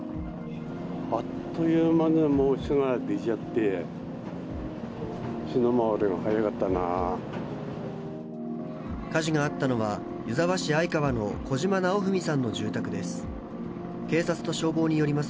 あっという間にもう火が出ちゃって、火事があったのは、湯沢市相川の小嶋尚文さんの住宅です。